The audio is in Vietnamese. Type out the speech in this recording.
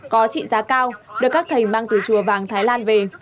có trị giá cao được các thầy mang từ chùa vàng thái lan về